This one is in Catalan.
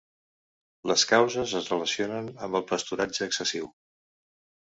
Les causes es relacionen amb el pasturatge excessiu.